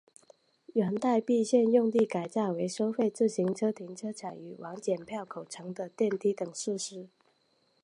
原待避线用地改建为收费自行车停车场与往剪票口层的电梯等设施。